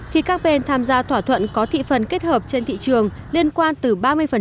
khi các bên tham gia thỏa thuận có thị phần kết hợp trên thị trường liên quan từ ba mươi